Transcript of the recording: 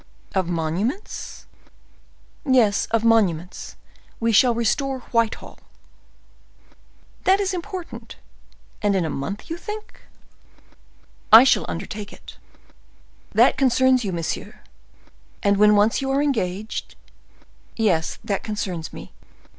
"Of monuments?" "Yes, of monuments; we shall restore Whitehall." "That is important. And in a month, you think?" "I shall undertake it." "That concerns you, monsieur, and when once you are engaged—" "Yes, that concerns me.